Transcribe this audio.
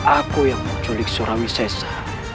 aku yang menculik surawi sesa